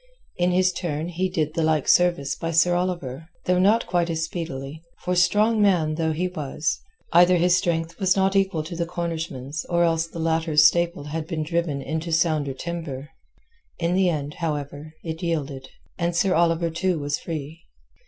In his turn he did the like service by Sir Oliver, though not quite as speedily, for strong man though he was, either his strength was not equal to the Cornishman's or else the latter's staple had been driven into sounder timber. In the end, however, it yielded, and Sir Oliver too was free.